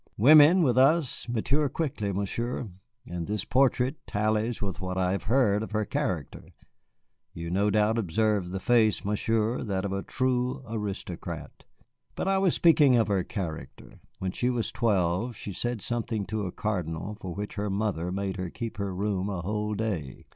Women, with us, mature quickly, Monsieur. And this portrait tallies with what I have heard of her character. You no doubt observed the face, Monsieur, that of a true aristocrat. But I was speaking of her character. When she was twelve, she said something to a cardinal for which her mother made her keep her room a whole day.